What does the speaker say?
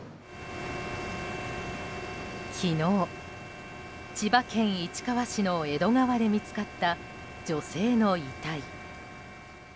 昨日、千葉県市川市の江戸川で見つかった女性の遺体。